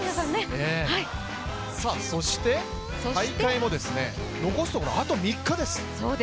そして大会も残すところ、あと３日です。